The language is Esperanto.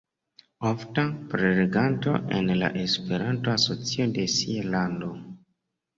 Ofta preleganto en la Esperanto-asocio de sia lando.